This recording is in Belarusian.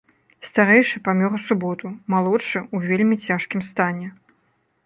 Старэйшы памёр у суботу, малодшы ў вельмі цяжкім стане.